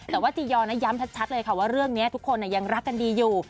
แต่ว่าจียอนย้ำชัดเลยค่ะว่าเรื่องนี้ทุกคนยังรักกันดีอยู่